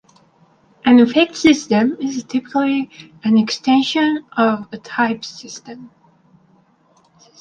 An effect system is typically an extension of a type system.